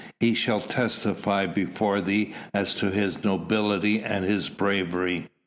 he shall testify before thee as to his nobility and his bravery....